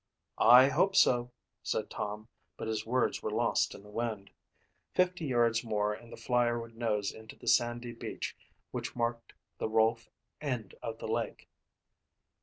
"I hope so," said Tom, but his words were lost in the wind. Fifty yards more and the Flyer would nose into the sandy beach which marked the Rolfe end of the lake.